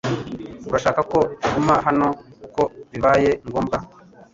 Urashaka ko tuguma hano kuko bibaye ngombwa